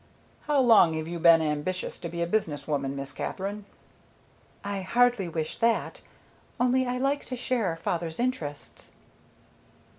"How long have you been ambitious to be a business woman, Miss Katherine?" "I hardly wish that. Only I like to share father's interests."